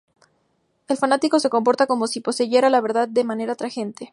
El fanático se comporta como si poseyera la verdad de manera tajante.